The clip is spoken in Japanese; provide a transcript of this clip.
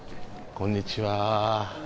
こんにちは。